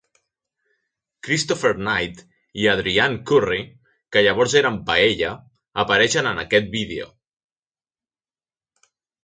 Christopher Knight i Adrianne Curry, que llavors eren paella, apareixen en aquest vídeo.